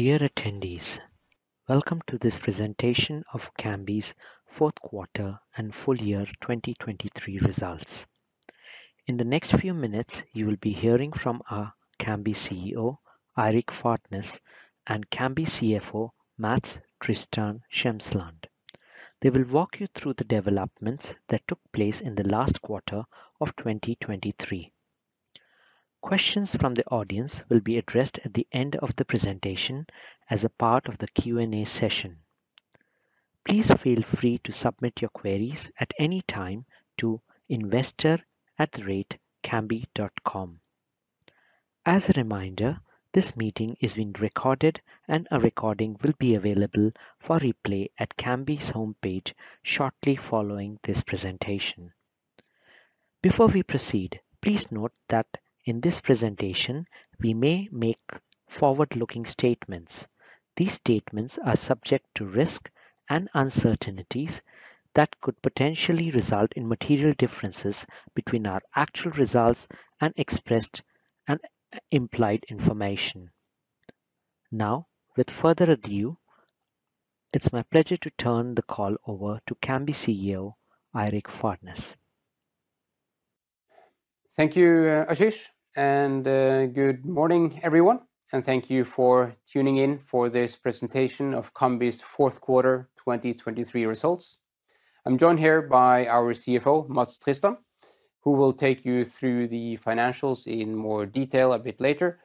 Dear attendees, welcome to this presentation of Cambi's fourth quarter and full year 2023 results. In the next few minutes you will be hearing from our Cambi CEO, Eirik Fadnes, and Cambi CFO, Mats Tristan Tjemsland. They will walk you through the developments that took place in the last quarter of 2023. Questions from the audience will be addressed at the end of the presentation as a part of the Q&A session. Please feel free to submit your queries at any time to investor@cambi.com. As a reminder, this meeting is being recorded and a recording will be available for replay at Cambi's homepage shortly following this presentation. Before we proceed, please note that in this presentation we may make forward-looking statements. These statements are subject to risk and uncertainties that could potentially result in material differences between our actual results and expressed and implied information. Now, without further ado, it's my pleasure to turn the call over to Cambi CEO, Eirik Fadnes. Thank you, Ashish. Good morning, everyone. Thank you for tuning in for this presentation of Cambi's fourth quarter 2023 results. I'm joined here by our CFO, Mats Tristan, who will take you through the financials in more detail a bit later.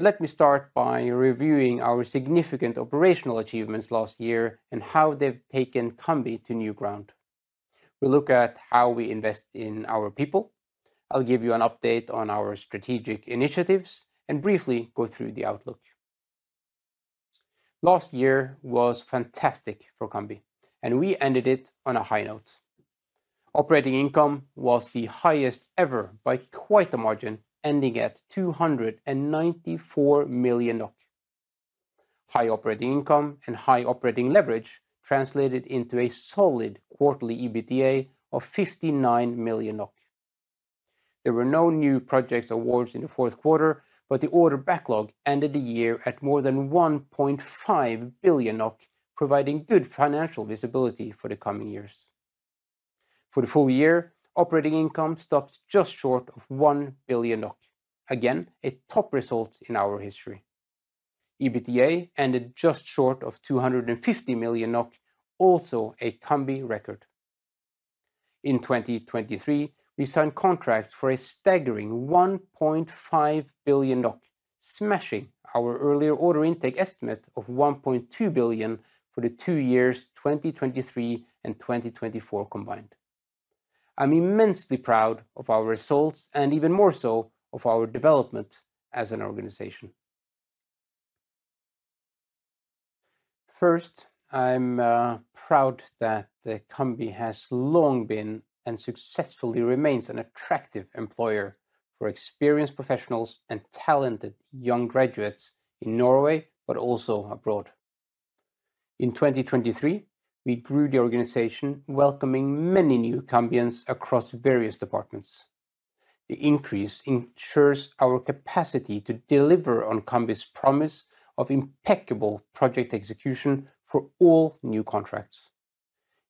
Let me start by reviewing our significant operational achievements last year and how they've taken Cambi to new ground. We'll look at how we invest in our people. I'll give you an update on our strategic initiatives and briefly go through the outlook. Last year was fantastic for Cambi, and we ended it on a high note. Operating income was the highest ever by quite a margin, ending at 294 million. High operating income and high operating leverage translated into a solid quarterly EBITDA of 59 million NOK. There were no new project awards in the fourth quarter, but the order backlog ended the year at more than 1.5 billion NOK, providing good financial visibility for the coming years. For the full year, operating income stopped just short of NOK 1 billion, again a top result in our history. EBITDA ended just short of 250 million NOK, also a Cambi record. In 2023, we signed contracts for a staggering NOK 1.5 billion, smashing our earlier order intake estimate of NOK 1.2 billion for the two years 2023 and 2024 combined. I'm immensely proud of our results and even more so of our development as an organization. First, I'm proud that Cambi has long been and successfully remains an attractive employer for experienced professionals and talented young graduates in Norway, but also abroad. In 2023, we grew the organization, welcoming many new Cambians across various departments. The increase ensures our capacity to deliver on Cambi's promise of impeccable project execution for all new contracts.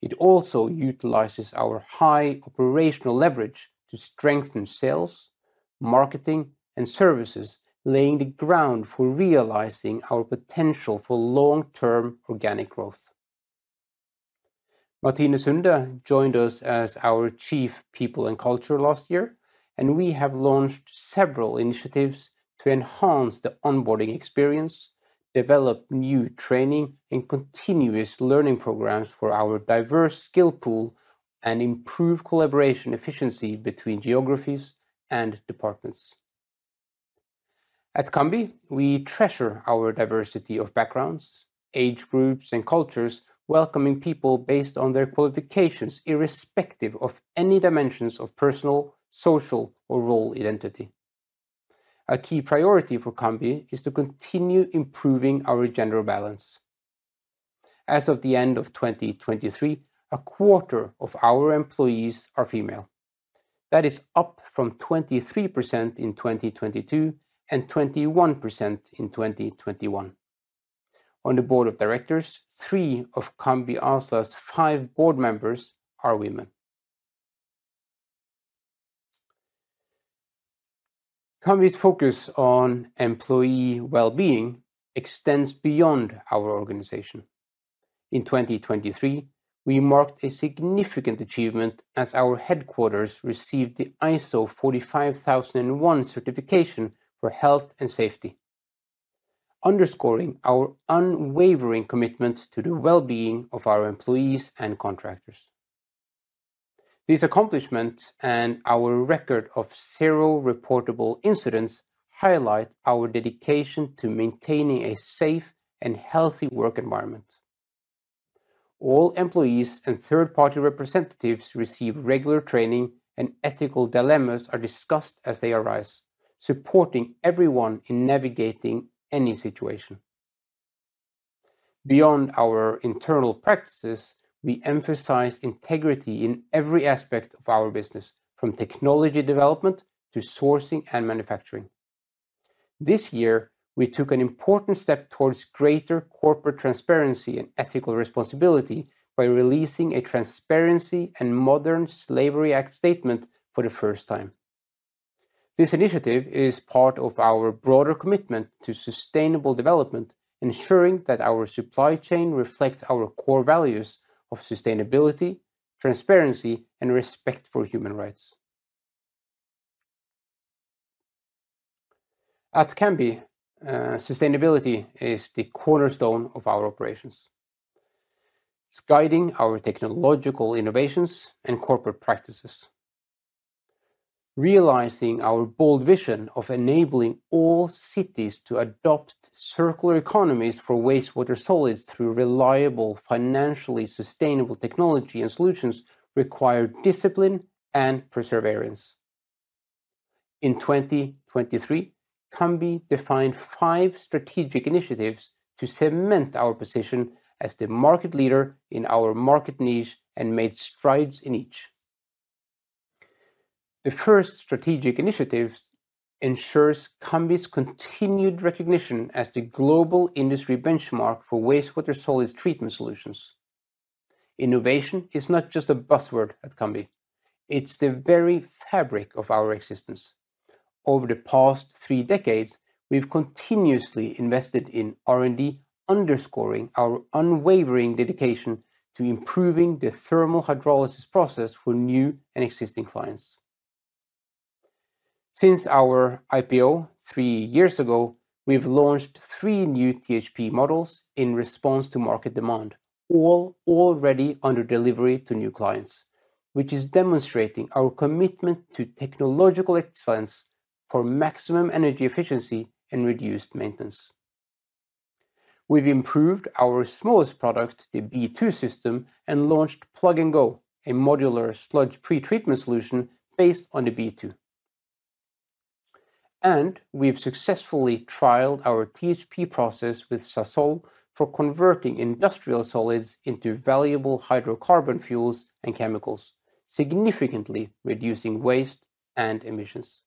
It also utilizes our high operational leverage to strengthen sales, marketing, and services, laying the ground for realizing our potential for long-term organic growth. Maarten Hund joined us as our Chief People and Culture last year, and we have launched several initiatives to enhance the onboarding experience, develop new training and continuous learning programs for our diverse skill pool, and improve collaboration efficiency between geographies and departments. At Cambi, we treasure our diversity of backgrounds, age groups, and cultures, welcoming people based on their qualifications, irrespective of any dimensions of personal, social, or role identity. A key priority for Cambi is to continue improving our gender balance. As of the end of 2023, a quarter of our employees are female. That is up from 23% in 2022 and 21% in 2021. On the board of directors, three of Cambi ASA's five board members are women. Cambi's focus on employee well-being extends beyond our organization. In 2023, we marked a significant achievement as our headquarters received the ISO 45001 certification for health and safety, underscoring our unwavering commitment to the well-being of our employees and contractors. These accomplishments and our record of zero reportable incidents highlight our dedication to maintaining a safe and healthy work environment. All employees and third-party representatives receive regular training, and ethical dilemmas are discussed as they arise, supporting everyone in navigating any situation. Beyond our internal practices, we emphasize integrity in every aspect of our business, from technology development to sourcing and manufacturing. This year, we took an important step towards greater corporate transparency and ethical responsibility by releasing a Transparency and Modern Slavery Act statement for the first time. This initiative is part of our broader commitment to sustainable development, ensuring that our supply chain reflects our core values of sustainability, transparency, and respect for human rights. At Cambi, sustainability is the cornerstone of our operations, guiding our technological innovations and corporate practices, realizing our bold vision of enabling all cities to adopt circular economies for wastewater solids through reliable, financially sustainable technology and solutions require discipline and perseverance. In 2023, Cambi defined five strategic initiatives to cement our position as the market leader in our market niche and made strides in each. The first strategic initiative ensures Cambi's continued recognition as the global industry benchmark for wastewater solids treatment solutions. Innovation is not just a buzzword at Cambi. It's the very fabric of our existence. Over the past three decades, we've continuously invested in R&D, underscoring our unwavering dedication to improving the thermal hydrolysis process for new and existing clients. Since our IPO three years ago, we've launched three new THP models in response to market demand, all already under delivery to new clients, which is demonstrating our commitment to technological excellence for maximum energy efficiency and reduced maintenance. We've improved our smallest product, the B2 system, and launched Plug & Go, a modular sludge pretreatment solution based on the B2. We've successfully trialed our THP process with Sasol for converting industrial solids into valuable hydrocarbon fuels and chemicals, significantly reducing waste and emissions.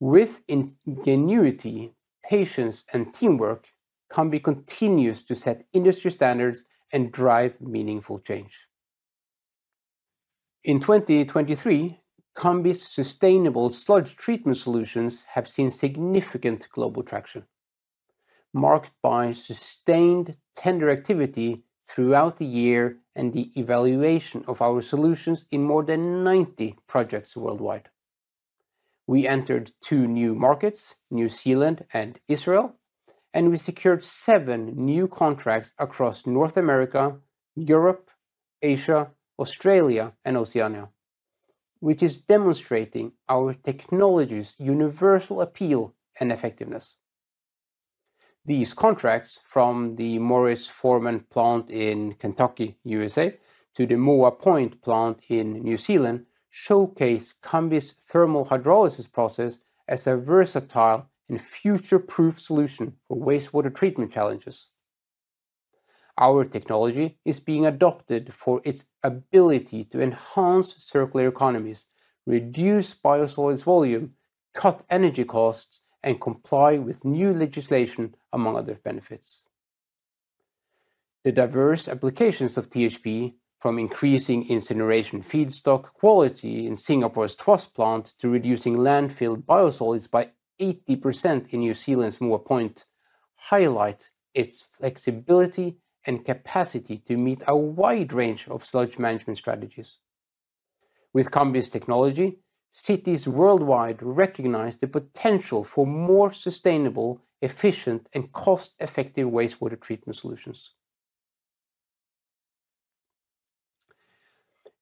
With ingenuity, patience, and teamwork, Cambi continues to set industry standards and drive meaningful change. In 2023, Cambi's sustainable sludge treatment solutions have seen significant global traction, marked by sustained tender activity throughout the year and the evaluation of our solutions in more than 90 projects worldwide. We entered two new markets, New Zealand and Israel, and we secured seven new contracts across North America, Europe, Asia, Australia, and Oceania, which is demonstrating our technology's universal appeal and effectiveness. These contracts, from the Morris Forman plant in Kentucky, USA, to the Moa Point plant in New Zealand, showcase Cambi's thermal hydrolysis process as a versatile and future-proof solution for wastewater treatment challenges. Our technology is being adopted for its ability to enhance circular economies, reduce biosolids volume, cut energy costs, and comply with new legislation, among other benefits. The diverse applications of THP, from increasing incineration feedstock quality in Singapore's Tuas plant to reducing landfill biosolids by 80% in New Zealand's Moa Point, highlight its flexibility and capacity to meet a wide range of sludge management strategies. With Cambi's technology, cities worldwide recognize the potential for more sustainable, efficient, and cost-effective wastewater treatment solutions.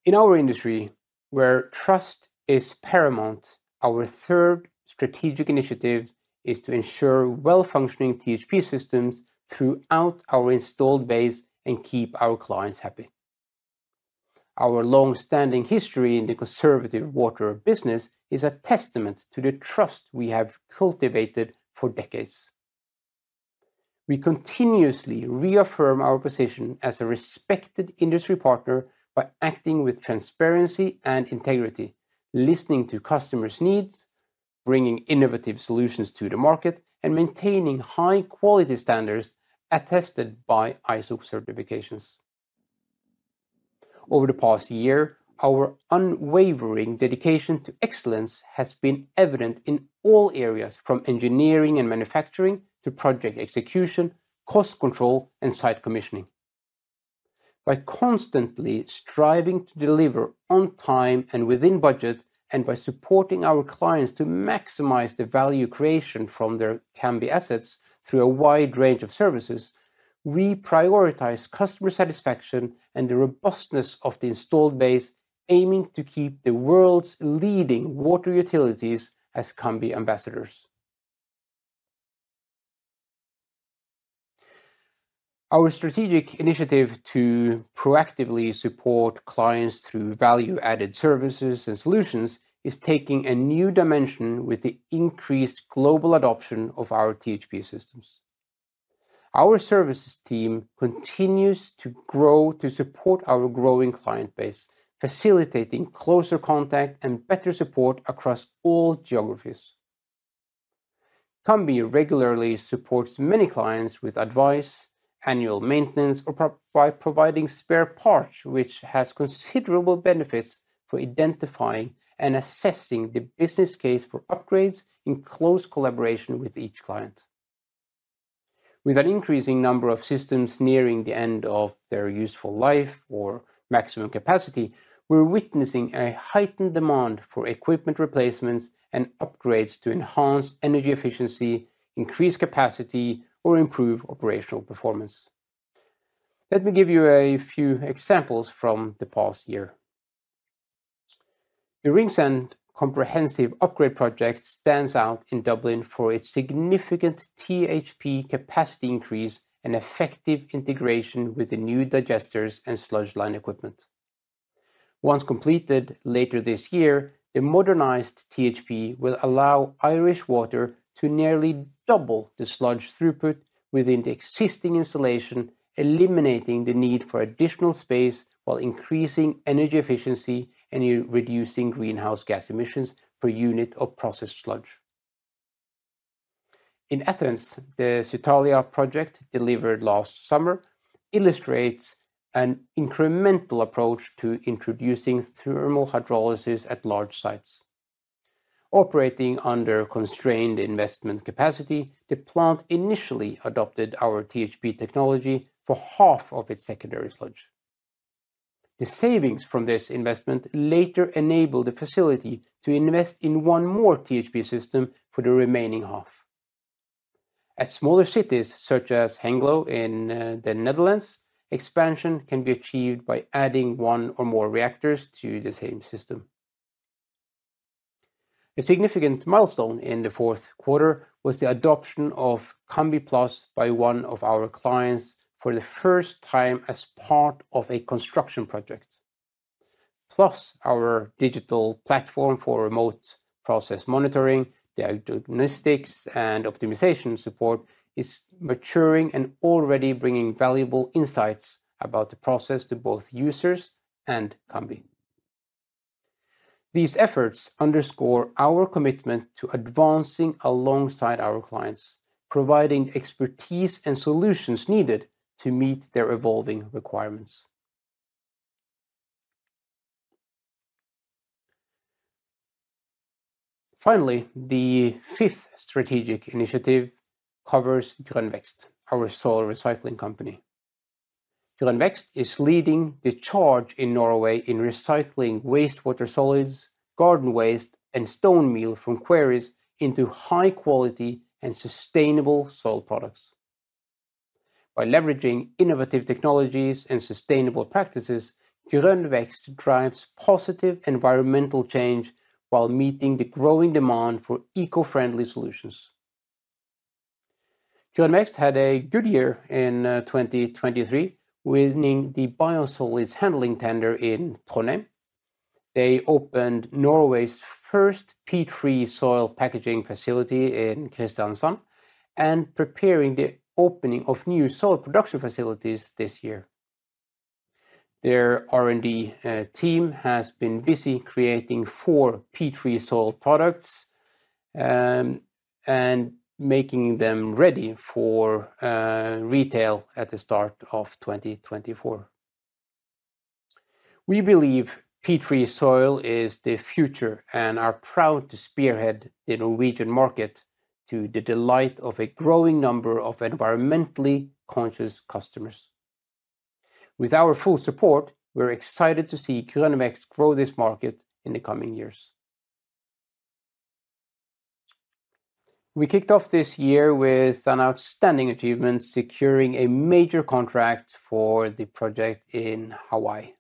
In our industry, where trust is paramount, our third strategic initiative is to ensure well-functioning THP systems throughout our installed base and keep our clients happy. Our longstanding history in the conservative water business is a testament to the trust we have cultivated for decades. We continuously reaffirm our position as a respected industry partner by acting with transparency and integrity, listening to customers' needs, bringing innovative solutions to the market, and maintaining high-quality standards attested by ISO certifications. Over the past year, our unwavering dedication to excellence has been evident in all areas, from engineering and manufacturing to project execution, cost control, and site commissioning. By constantly striving to deliver on time and within budget, and by supporting our clients to maximize the value creation from their Cambi assets through a wide range of services, we prioritize customer satisfaction and the robustness of the installed base, aiming to keep the world's leading water utilities as Cambi ambassadors. Our strategic initiative to proactively support clients through value-added services and solutions is taking a new dimension with the increased global adoption of our THP systems. Our services team continues to grow to support our growing client base, facilitating closer contact and better support across all geographies. Cambi regularly supports many clients with advice, annual maintenance, or by providing spare parts, which has considerable benefits for identifying and assessing the business case for upgrades in close collaboration with each client. With an increasing number of systems nearing the end of their useful life or maximum capacity, we're witnessing a heightened demand for equipment replacements and upgrades to enhance energy efficiency, increase capacity, or improve operational performance. Let me give you a few examples from the past year. The Ringsend Comprehensive Upgrade project stands out in Dublin for its significant THP capacity increase and effective integration with the new digesters and sludge line equipment. Once completed later this year, the modernized THP will allow Irish Water to nearly double the sludge throughput within the existing installation, eliminating the need for additional space while increasing energy efficiency and reducing greenhouse gas emissions per unit of processed sludge. In Athens, the Psyttalia project delivered last summer illustrates an incremental approach to introducing thermal hydrolysis at large sites. Operating under constrained investment capacity, the plant initially adopted our THP technology for half of its secondary sludge. The savings from this investment later enable the facility to invest in one more THP system for the remaining half. At smaller cities such as Hengelo in the Netherlands, expansion can be achieved by adding one or more reactors to the same system. A significant milestone in the fourth quarter was the adoption of Cambi+ by one of our clients for the first time as part of a construction project. Plus, our digital platform for remote process monitoring, diagnostics, and optimization support is maturing and already bringing valuable insights about the process to both users and Cambi. These efforts underscore our commitment to advancing alongside our clients, providing expertise and solutions needed to meet their evolving requirements. Finally, the fifth strategic initiative covers Grønn Vekst, our soil recycling company. Grønn Vekst is leading the charge in Norway in recycling wastewater solids, garden waste, and stone meal from quarries into high-quality and sustainable soil products. By leveraging innovative technologies and sustainable practices, Grønn Vekst drives positive environmental change while meeting the growing demand for eco-friendly solutions. Grønn Vekst had a good year in 2023, winning the biosolids handling tender in Trondheim. They opened Norway's first peat-free soil packaging facility in Kristiansand and are preparing the opening of new soil production facilities this year. Their R&D team has been busy creating four peat-free soil products and making them ready for retail at the start of 2024. We believe peat-free soil is the future and are proud to spearhead the Norwegian market to the delight of a growing number of environmentally conscious customers. With our full support, we're excited to see Grønn Vekst grow this market in the coming years. We kicked off this year with an outstanding achievement, securing a major contract for the project in Hawaii.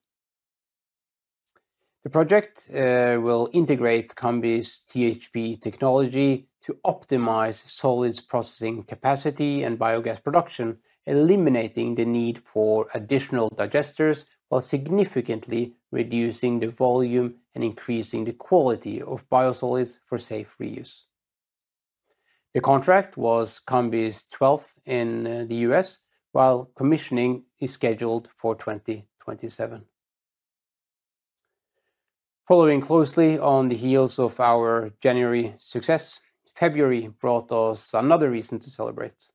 The project will integrate Cambi's THP technology to optimize solids processing capacity and biogas production, eliminating the need for additional digesters while significantly reducing the volume and increasing the quality of biosolids for safe reuse. The contract was Cambi's 12th in the U.S., while commissioning is scheduled for 2027. Following closely on the heels of our January success, February brought us another reason to celebrate: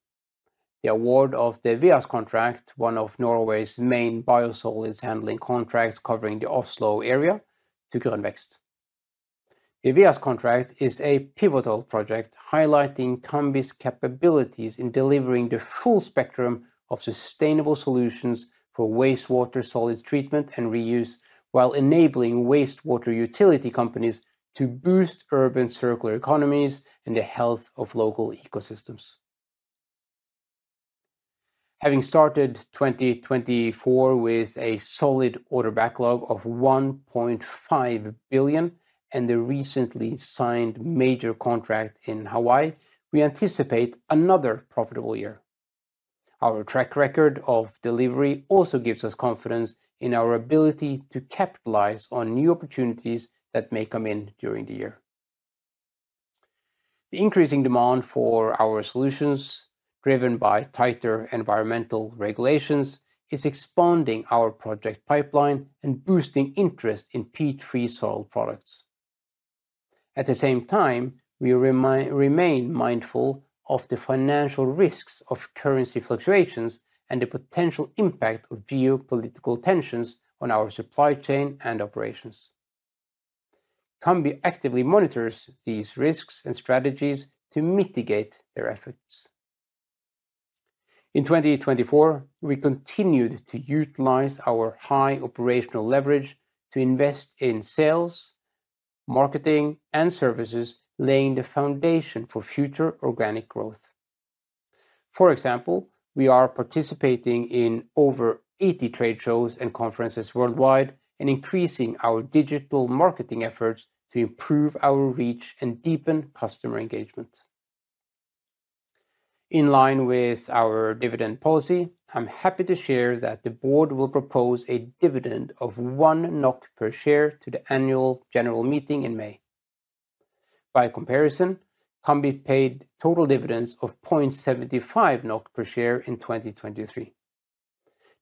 the award of the VEAS contract, one of Norway's main biosolids handling contracts covering the Oslo area, to Grønn Vekst. The VEAS contract is a pivotal project highlighting Cambi's capabilities in delivering the full spectrum of sustainable solutions for wastewater solids treatment and reuse while enabling wastewater utility companies to boost urban circular economies and the health of local ecosystems. Having started 2024 with a solid order backlog of 1.5 billion and the recently signed major contract in Hawaii, we anticipate another profitable year. Our track record of delivery also gives us confidence in our ability to capitalize on new opportunities that may come in during the year. The increasing demand for our solutions, driven by tighter environmental regulations, is expanding our project pipeline and boosting interest in peat-free soil products. At the same time, we remain mindful of the financial risks of currency fluctuations and the potential impact of geopolitical tensions on our supply chain and operations. Cambi actively monitors these risks and strategies to mitigate their effects. In 2024, we continued to utilize our high operational leverage to invest in sales, marketing, and services, laying the foundation for future organic growth. For example, we are participating in over 80 trade shows and conferences worldwide and increasing our digital marketing efforts to improve our reach and deepen customer engagement. In line with our dividend policy, I'm happy to share that the board will propose a dividend of 1 NOK per share to the annual general meeting in May. By comparison, Cambi paid total dividends of 0.75 NOK per share in 2023.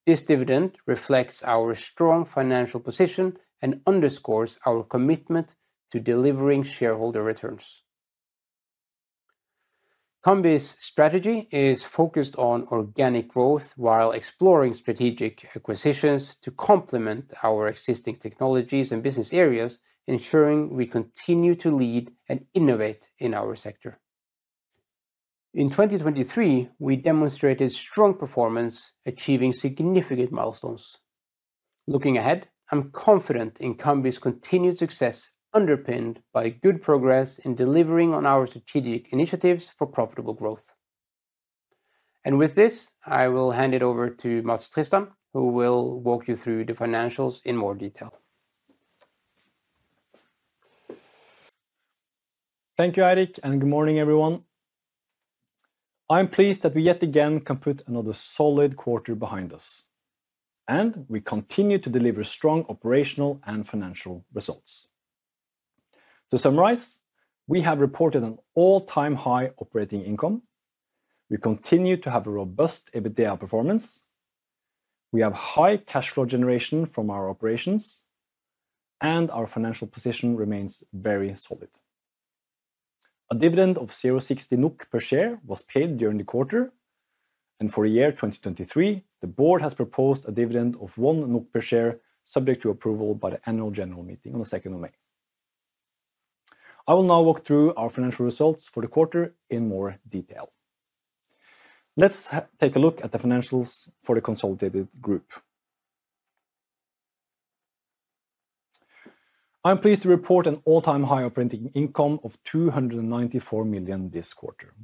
This dividend reflects our strong financial position and underscores our commitment to delivering shareholder returns. Cambi's strategy is focused on organic growth while exploring strategic acquisitions to complement our existing technologies and business areas, ensuring we continue to lead and innovate in our sector. In 2023, we demonstrated strong performance, achieving significant milestones. Looking ahead, I'm confident in Cambi's continued success, underpinned by good progress in delivering on our strategic initiatives for profitable growth. With this, I will hand it over to Mats Tristan, who will walk you through the financials in more detail. Thank you, Eirik, and good morning, everyone. I'm pleased that we yet again can put another solid quarter behind us, and we continue to deliver strong operational and financial results. To summarize, we have reported an all-time high operating income. We continue to have a robust EBITDA performance. We have high cash flow generation from our operations, and our financial position remains very solid. A dividend of 0.60 NOK per share was paid during the quarter, and for the year 2023, the board has proposed a dividend of 1 NOK per share, subject to approval by the annual general meeting on the 2nd of May. I will now walk through our financial results for the quarter in more detail. Let's take a look at the financials for the consolidated group. I'm pleased to report an all-time high operating income of 294 million this quarter.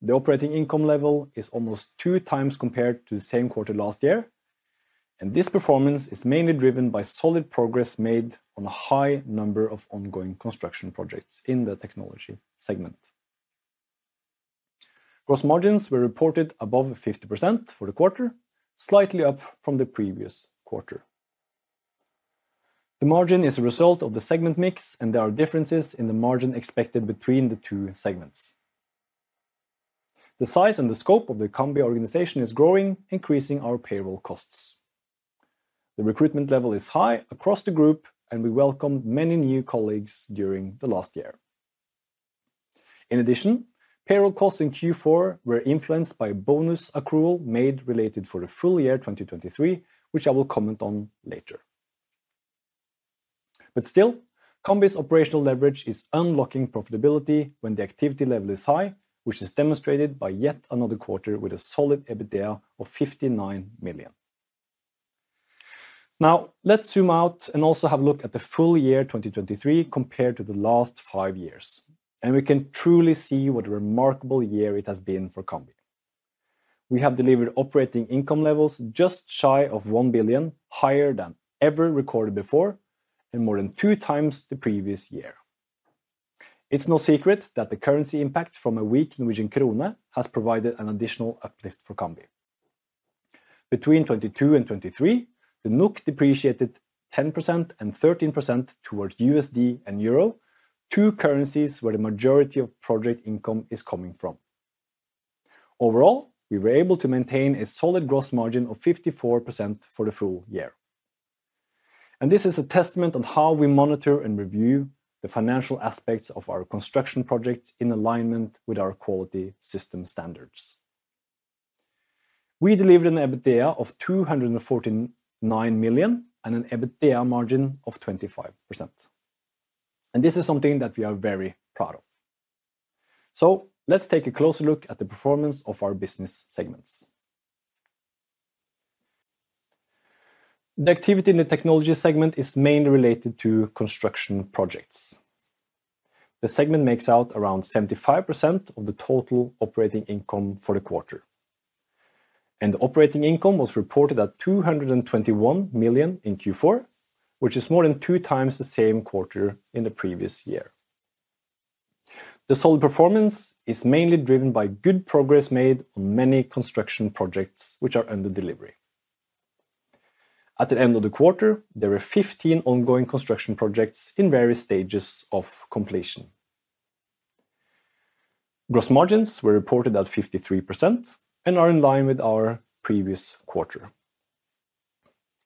The operating income level is almost 2x compared to the same quarter last year, and this performance is mainly driven by solid progress made on a high number of ongoing construction projects in the technology segment. Gross margins were reported above 50% for the quarter, slightly up from the previous quarter. The margin is a result of the segment mix, and there are differences in the margin expected between the two segments. The size and the scope of the Cambi organization is growing, increasing our payroll costs. The recruitment level is high across the group, and we welcomed many new colleagues during the last year. In addition, payroll costs in Q4 were influenced by a bonus accrual made related to the full year 2023, which I will comment on later. But still, Cambi's operational leverage is unlocking profitability when the activity level is high, which is demonstrated by yet another quarter with a solid EBITDA of 59 million. Now, let's zoom out and also have a look at the full year 2023 compared to the last five years, and we can truly see what a remarkable year it has been for Cambi. We have delivered operating income levels just shy of 1 billion, higher than ever recorded before, and more than 2x the previous year. It's no secret that the currency impact from a weak Norwegian krone has provided an additional uplift for Cambi. Between 2022 and 2023, the NOK depreciated 10% and 13% towards USD and euro, two currencies where the majority of project income is coming from. Overall, we were able to maintain a solid gross margin of 54% for the full year. This is a testament on how we monitor and review the financial aspects of our construction projects in alignment with our quality system standards. We delivered an EBITDA of 249 million and an EBITDA margin of 25%. This is something that we are very proud of. Let's take a closer look at the performance of our business segments. The activity in the technology segment is mainly related to construction projects. The segment makes up around 75% of the total operating income for the quarter. The operating income was reported at 221 million in Q4, which is more than 2x the same quarter in the previous year. The solid performance is mainly driven by good progress made on many construction projects which are under delivery. At the end of the quarter, there were 15 ongoing construction projects in various stages of completion. Gross margins were reported at 53% and are in line with our previous quarter.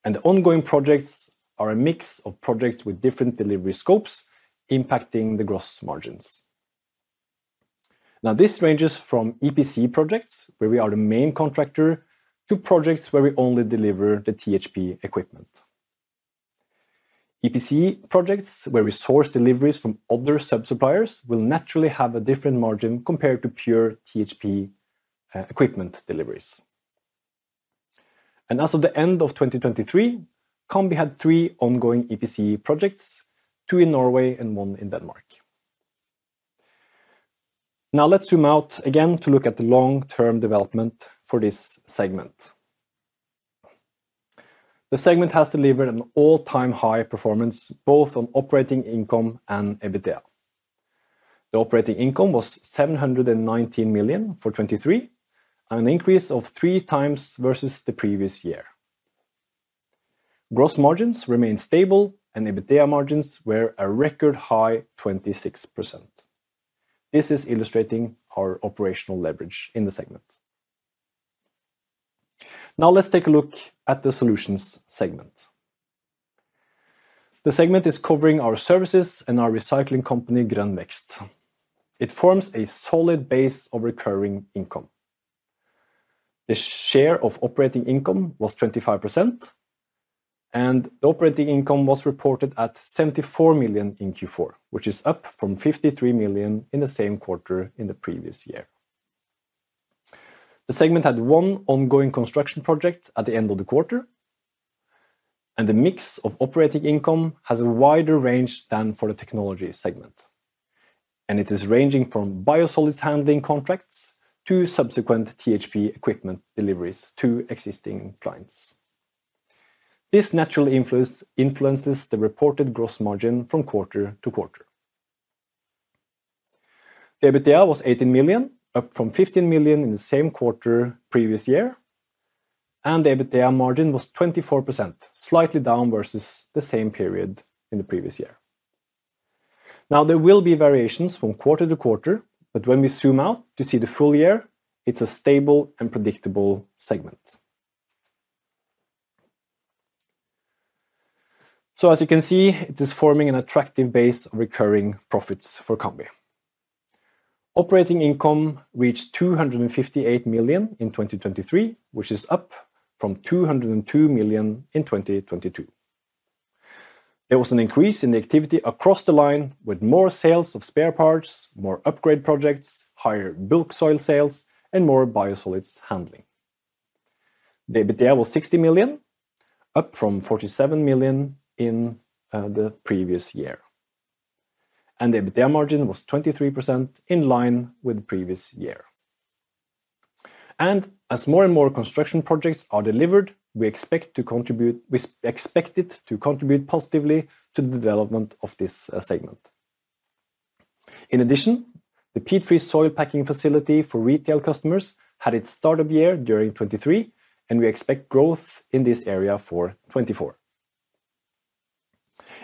The ongoing projects are a mix of projects with different delivery scopes impacting the gross margins. Now, this ranges from EPC projects, where we are the main contractor, to projects where we only deliver the THP equipment. EPC projects, where we source deliveries from other subsuppliers, will naturally have a different margin compared to pure THP equipment deliveries. As of the end of 2023, Cambi had three ongoing EPC projects, two in Norway and one in Denmark. Now, let's zoom out again to look at the long-term development for this segment. The segment has delivered an all-time high performance both on operating income and EBITDA. The operating income was 719 million for 2023, an increase of 3x versus the previous year. Gross margins remained stable, and EBITDA margins were a record high 26%. This is illustrating our operational leverage in the segment. Now, let's take a look at the solutions segment. The segment is covering our services and our recycling company, Grønn Vekst. It forms a solid base of recurring income. The share of operating income was 25%, and the operating income was reported at 74 million in Q4, which is up from 53 million in the same quarter in the previous year. The segment had one ongoing construction project at the end of the quarter, and the mix of operating income has a wider range than for the technology segment. It is ranging from biosolids handling contracts to subsequent THP equipment deliveries to existing clients. This naturally influences the reported gross margin from quarter to quarter. The EBITDA was 18 million, up from 15 million in the same quarter previous year. The EBITDA margin was 24%, slightly down versus the same period in the previous year. Now, there will be variations from quarter to quarter, but when we zoom out to see the full year, it's a stable and predictable segment. So as you can see, it is forming an attractive base of recurring profits for Cambi. Operating income reached 258 million in 2023, which is up from 202 million in 2022. There was an increase in the activity across the line with more sales of spare parts, more upgrade projects, higher bulk soil sales, and more biosolids handling. The EBITDA was 60 million, up from 47 million in the previous year. The EBITDA margin was 23% in line with the previous year. As more and more construction projects are delivered, we expect to contribute positively to the development of this segment. In addition, the peat-free soil packing facility for retail customers had its start-up year during 2023, and we expect growth in this area for 2024.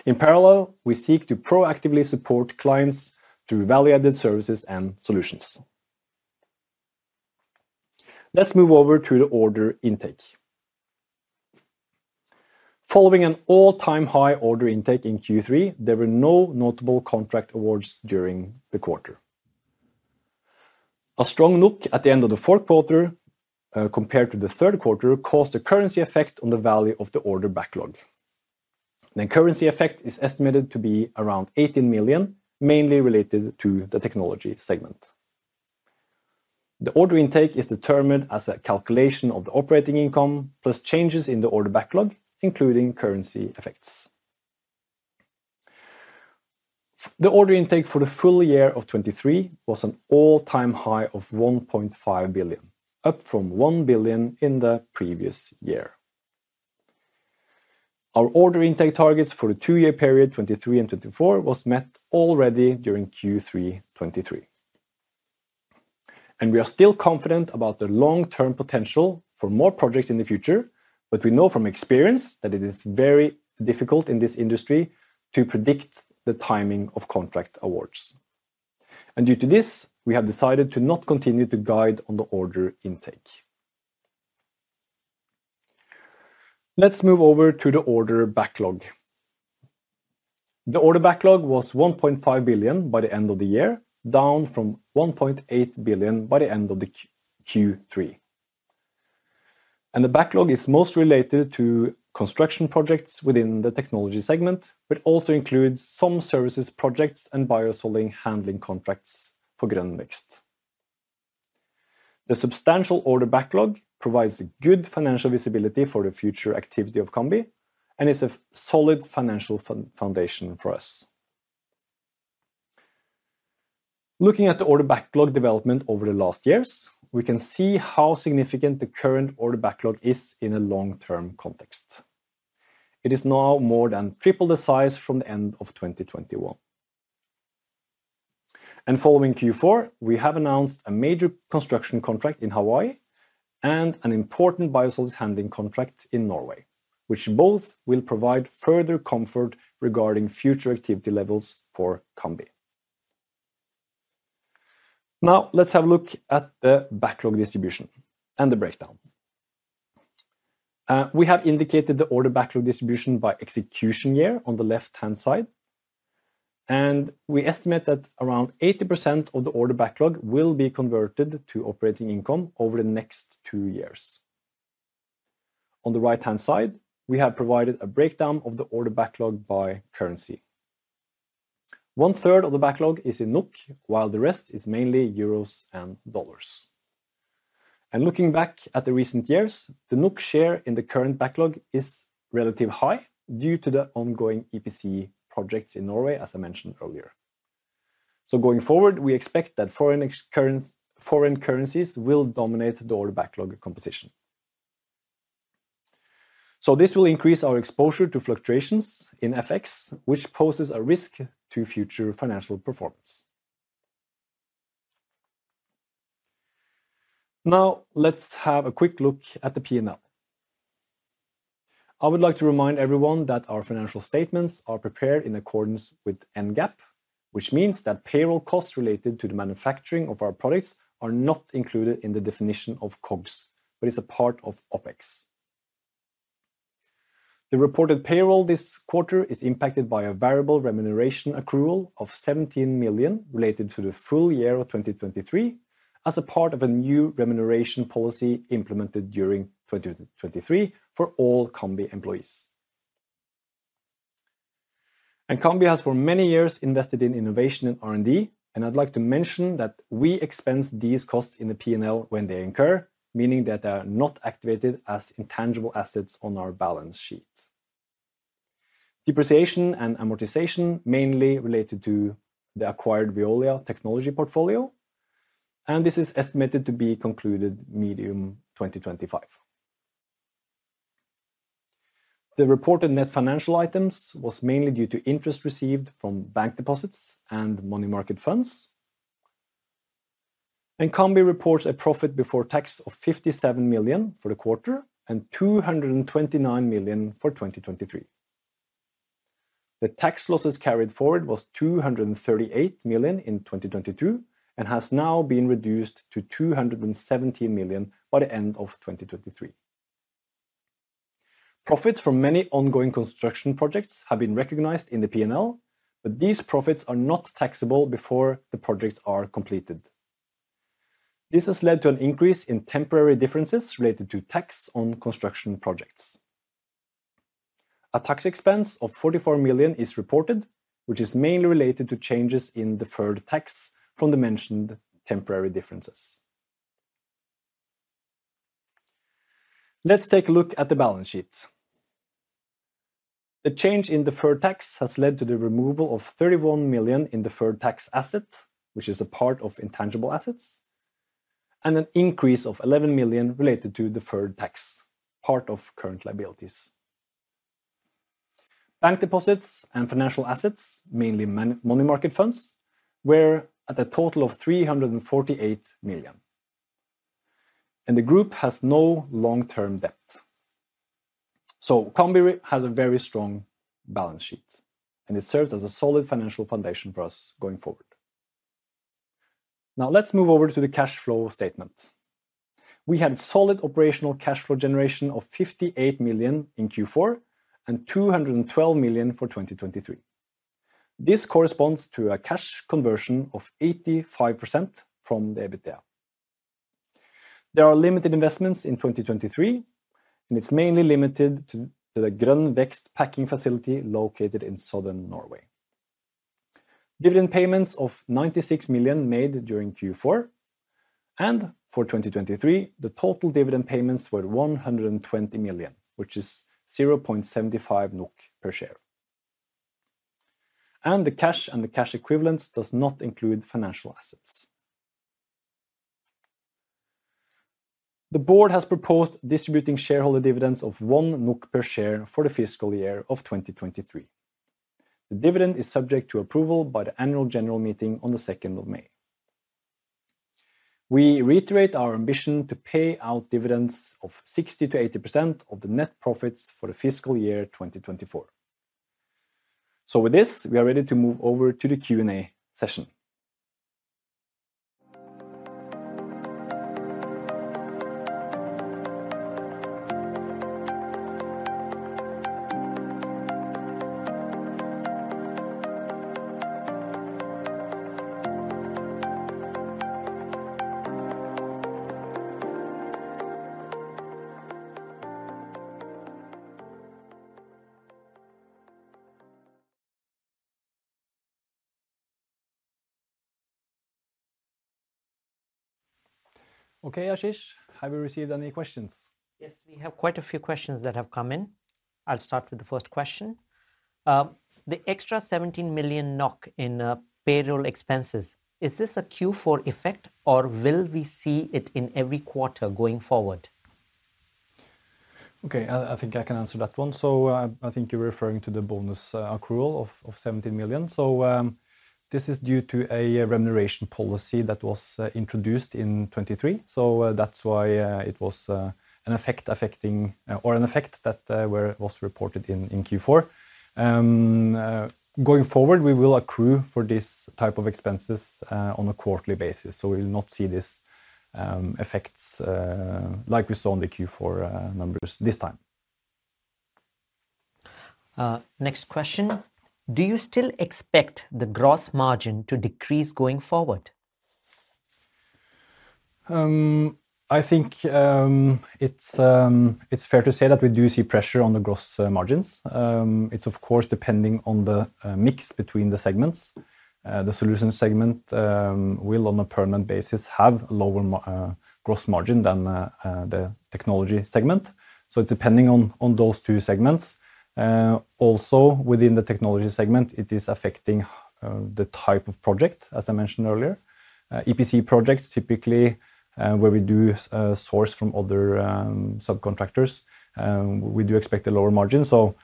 In parallel, we seek to proactively support clients through value-added services and solutions. Let's move over to the order intake. Following an all-time high order intake in Q3, there were no notable contract awards during the quarter. A strong NOK at the end of the fourth quarter compared to the third quarter caused a currency effect on the value of the order backlog. The currency effect is estimated to be around 18 million, mainly related to the technology segment. The order intake is determined as a calculation of the operating income plus changes in the order backlog, including currency effects. The order intake for the full year of 2023 was an all-time high of 1.5 billion, up from 1 billion in the previous year. Our order intake targets for the two-year period 2023 and 2024 were met already during Q3 2023. We are still confident about the long-term potential for more projects in the future, but we know from experience that it is very difficult in this industry to predict the timing of contract awards. Due to this, we have decided to not continue to guide on the order intake. Let's move over to the order backlog. The order backlog was 1.5 billion by the end of the year, down from 1.8 billion by the end of Q3. The backlog is most related to construction projects within the technology segment, but also includes some services projects and biosolids handling contracts for Grønn Vekst. The substantial order backlog provides good financial visibility for the future activity of Cambi and is a solid financial foundation for us. Looking at the order backlog development over the last years, we can see how significant the current order backlog is in a long-term context. It is now more than triple the size from the end of 2021. Following Q4, we have announced a major construction contract in Hawaii and an important biosolids handling contract in Norway, which both will provide further comfort regarding future activity levels for Cambi. Now, let's have a look at the backlog distribution and the breakdown. We have indicated the order backlog distribution by execution year on the left-hand side. We estimate that around 80% of the order backlog will be converted to operating income over the next two years. On the right-hand side, we have provided a breakdown of the order backlog by currency. 1/3 of the backlog is in NOK, while the rest is mainly euros and dollars. Looking back at the recent years, the NOK share in the current backlog is relatively high due to the ongoing EPC projects in Norway, as I mentioned earlier. Going forward, we expect that foreign currencies will dominate the order backlog composition. This will increase our exposure to fluctuations in FX, which poses a risk to future financial performance. Now, let's have a quick look at the P&L. I would like to remind everyone that our financial statements are prepared in accordance with NGAAP, which means that payroll costs related to the manufacturing of our products are not included in the definition of COGS, but is a part of OpEx. The reported payroll this quarter is impacted by a variable remuneration accrual of 17 million related to the full year of 2023 as a part of a new remuneration policy implemented during 2023 for all Cambi employees. Cambi has for many years invested in innovation and R&D, and I'd like to mention that we expense these costs in the P&L when they incur, meaning that they are not activated as intangible assets on our balance sheet. Depreciation and amortization mainly related to the acquired Veolia technology portfolio. This is estimated to be concluded mid-2025. The reported net financial items were mainly due to interest received from bank deposits and money market funds. Cambi reports a profit before tax of 57 million for the quarter and 229 million for 2023. The tax losses carried forward were 238 million in 2022 and have now been reduced to 217 million by the end of 2023. Profits from many ongoing construction projects have been recognized in the P&L, but these profits are not taxable before the projects are completed. This has led to an increase in temporary differences related to tax on construction projects. A tax expense of 44 million is reported, which is mainly related to changes in deferred tax from the mentioned temporary differences. Let's take a look at the balance sheet. The change in deferred tax has led to the removal of 31 million in deferred tax assets, which is a part of intangible assets, and an increase of 11 million related to deferred tax, part of current liabilities. Bank deposits and financial assets, mainly money market funds, were at a total of 348 million. The group has no long-term debt. Cambi has a very strong balance sheet, and it serves as a solid financial foundation for us going forward. Now, let's move over to the cash flow statement. We had a solid operational cash flow generation of 58 million in Q4 and 212 million for 2023. This corresponds to a cash conversion of 85% from the EBITDA. There are limited investments in 2023, and it's mainly limited to the Grønn Vekst packing facility located in southern Norway. Dividend payments of 96 million made during Q4. And for 2023, the total dividend payments were 120 million, which is 0.75 NOK per share. And the cash and the cash equivalents do not include financial assets. The board has proposed distributing shareholder dividends of 1 NOK per share for the fiscal year of 2023. The dividend is subject to approval by the annual general meeting on the 2nd of May. We reiterate our ambition to pay out dividends of 60%-80% of the net profits for the fiscal year 2024. So with this, we are ready to move over to the Q&A session. Okay, Ashish, have you received any questions? Yes, we have quite a few questions that have come in. I'll start with the first question. The extra 17 million NOK in payroll expenses, is this a Q4 effect or will we see it in every quarter going forward? Okay, I think I can answer that one. So I think you're referring to the bonus accrual of 17 million. So this is due to a remuneration policy that was introduced in 2023. So that's why it was an effect that was reported in Q4. Going forward, we will accrue for this type of expenses on a quarterly basis. So we will not see these effects like we saw in the Q4 numbers this time. Next question. Do you still expect the gross margin to decrease going forward? I think it's fair to say that we do see pressure on the gross margins. It's, of course, depending on the mix between the segments. The solutions segment will, on a permanent basis, have a lower gross margin than the technology segment. So it's depending on those two segments. Also, within the technology segment, it is affecting the type of project, as I mentioned earlier. EPC projects, typically where we do source from other subcontractors, we do expect a lower margin. So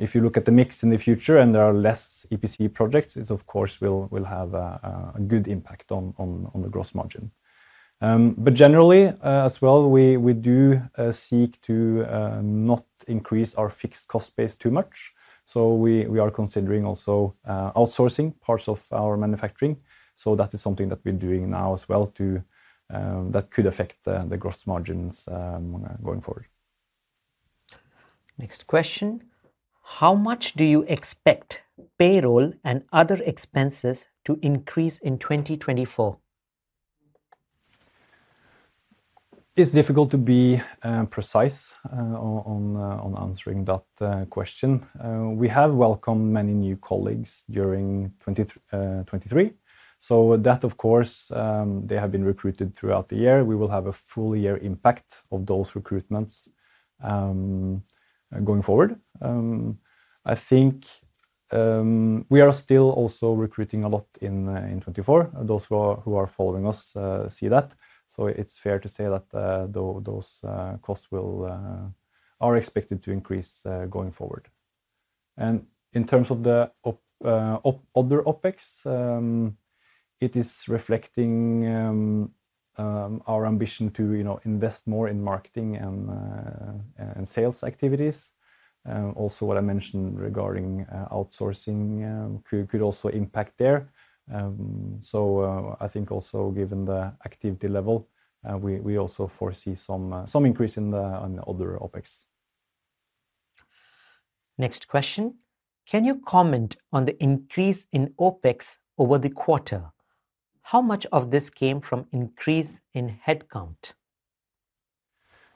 if you look at the mix in the future and there are less EPC projects, it, of course, will have a good impact on the gross margin. But generally, as well, we do seek to not increase our fixed cost base too much. So we are considering also outsourcing parts of our manufacturing. That is something that we're doing now as well that could affect the gross margins going forward. Next question. How much do you expect payroll and other expenses to increase in 2024? It's difficult to be precise on answering that question. We have welcomed many new colleagues during 2023. So that, of course, they have been recruited throughout the year. We will have a full-year impact of those recruitments going forward. I think we are still also recruiting a lot in 2024. Those who are following us see that. So it's fair to say that those costs are expected to increase going forward. And in terms of the other OpEx, it is reflecting our ambition to invest more in marketing and sales activities. Also, what I mentioned regarding outsourcing could also impact there. So I think also, given the activity level, we also foresee some increase in the other OpEx. Next question. Can you comment on the increase in OpEx over the quarter? How much of this came from increase in headcount?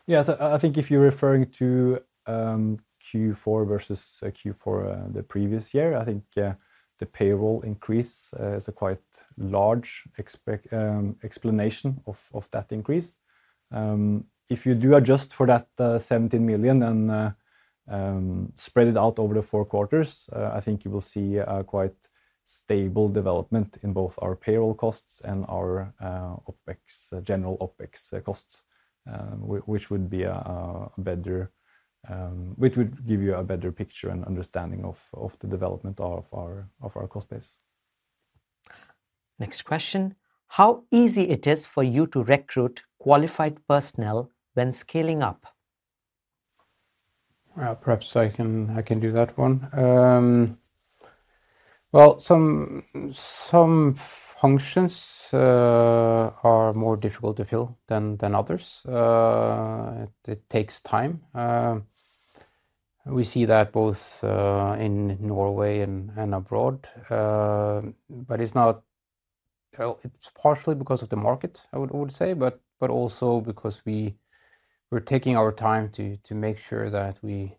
Yeah, so I think if you're referring to Q4 versus Q4 the previous year, I think the payroll increase is a quite large explanation of that increase. If you do adjust for that 17 million and spread it out over the four quarters, I think you will see a quite stable development in both our payroll costs and our general OpEx costs, which would give you a better picture and understanding of the development of our cost base. Next question. How easy it is for you to recruit qualified personnel when scaling up? Perhaps I can do that one. Well, some functions are more difficult to fill than others. It takes time. We see that both in Norway and abroad. But it's partially because of the market, I would say, but also because we're taking our time to make sure that we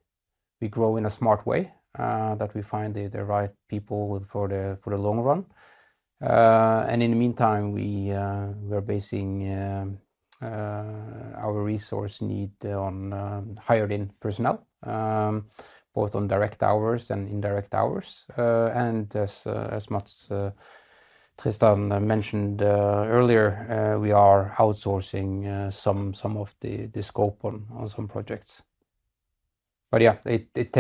grow in a smart way, that we find the right people for the long run. And in the meantime, we are basing our resource need on hired-in personnel, both on direct hours and indirect hours. And as much as Tristan mentioned earlier, we are outsourcing some of the scope on some projects. But yeah, it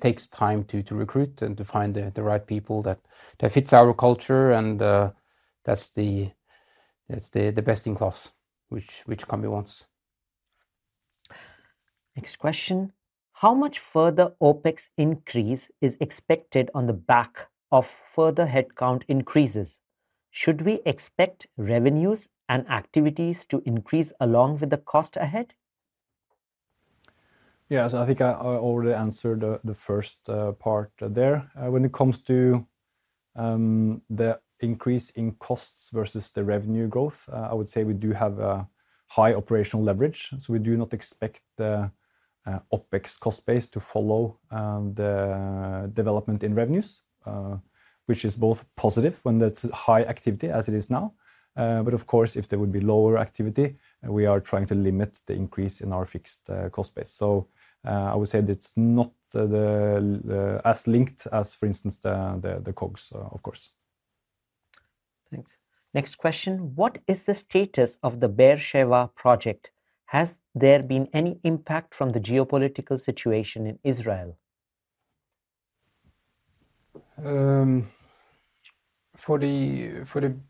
takes time to recruit and to find the right people that fit our culture. And that's the best in class, which Cambi wants. Next question. How much further OpEx increase is expected on the back of further headcount increases? Should we expect revenues and activities to increase along with the cost ahead? Yeah, so I think I already answered the first part there. When it comes to the increase in costs versus the revenue growth, I would say we do have a high operational leverage. So we do not expect the OpEx cost base to follow the development in revenues, which is both positive when there's high activity as it is now. But of course, if there would be lower activity, we are trying to limit the increase in our fixed cost base. So I would say that it's not as linked as, for instance, the COGS, of course. Thanks. Next question. What is the status of the Be'er Sheva project? Has there been any impact from the geopolitical situation in Israel? For the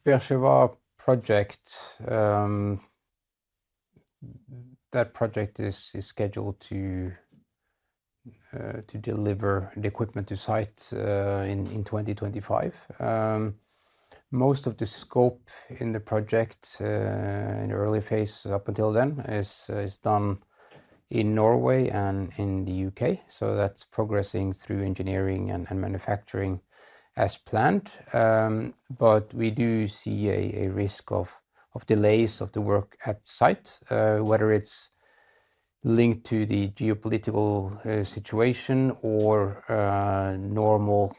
Be'er Sheva project, that project is scheduled to deliver the equipment to site in 2025. Most of the scope in the project in the early phase up until then is done in Norway and in the U.K. That's progressing through engineering and manufacturing as planned. But we do see a risk of delays of the work at site, whether it's linked to the geopolitical situation or normal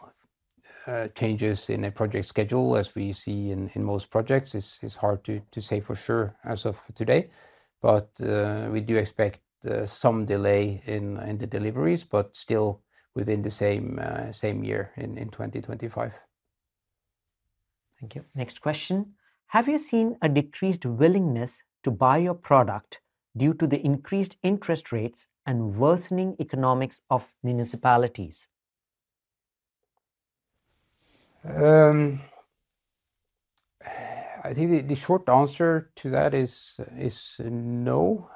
changes in a project schedule as we see in most projects, is hard to say for sure as of today. We do expect some delay in the deliveries, but still within the same year in 2025. Thank you. Next question. Have you seen a decreased willingness to buy your product due to the increased interest rates and worsening economics of municipalities? I think the short answer to that is no.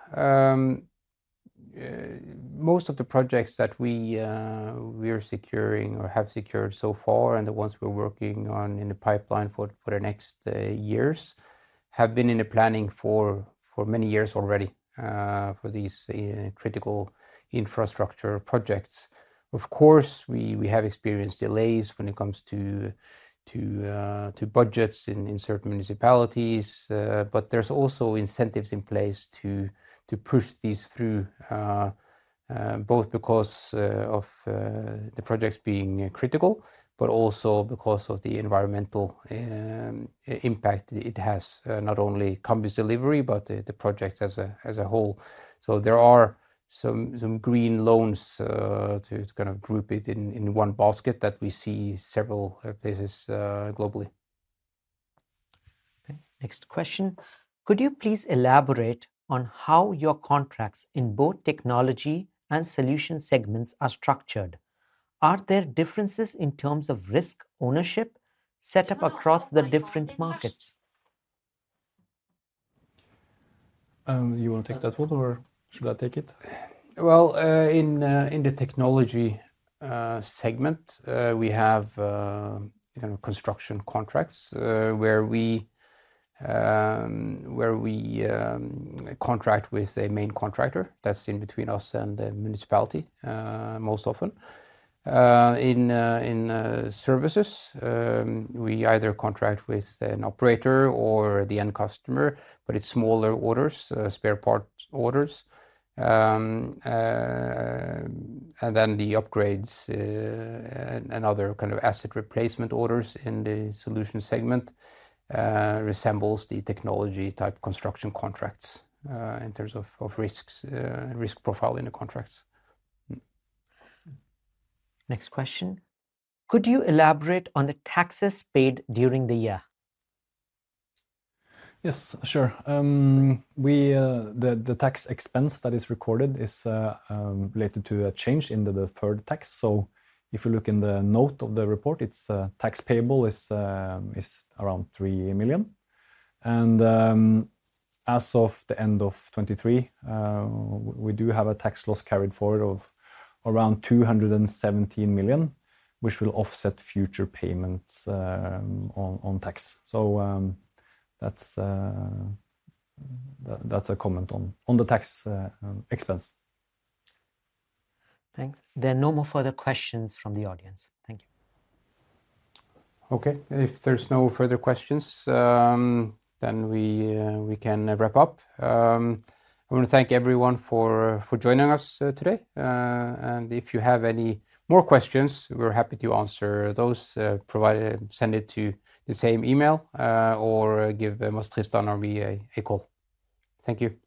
Most of the projects that we are securing or have secured so far and the ones we're working on in the pipeline for the next years have been in the planning for many years already for these critical infrastructure projects. Of course, we have experienced delays when it comes to budgets in certain municipalities. But there's also incentives in place to push these through, both because of the projects being critical, but also because of the environmental impact it has, not only Cambi's delivery, but the project as a whole. So there are some green loans to kind of group it in one basket that we see several places globally. Okay. Next question. Could you please elaborate on how your contracts in both technology and solution segments are structured? Are there differences in terms of risk ownership set up across the different markets? You want to take that one or should I take it? Well, in the technology segment, we have kind of construction contracts where we contract with a main contractor that's in between us and the municipality most often. In services, we either contract with an operator or the end customer, but it's smaller orders, spare parts orders. And then the upgrades and other kind of asset replacement orders in the solution segment resemble the technology-type construction contracts in terms of risk profile in the contracts. Next question. Could you elaborate on the taxes paid during the year? Yes, sure. The tax expense that is recorded is related to a change in the deferred tax. So if you look in the note of the report, tax payable is around 3 million. And as of the end of 2023, we do have a tax loss carried forward of around 217 million, which will offset future payments on tax. So that's a comment on the tax expense. Thanks. There are no more further questions from the audience. Thank you. Okay. If there's no further questions, then we can wrap up. I want to thank everyone for joining us today. If you have any more questions, we're happy to answer those. Send it to the same email or give Mats Tristan or me a call. Thank you.